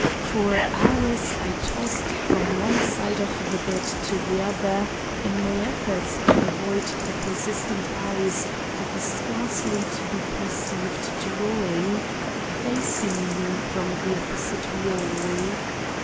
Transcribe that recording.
For hours I tossed from one side of the bed to the other in my efforts to avoid the persistent eyes of a scarcely to be perceived drawing facing me from the opposite wall.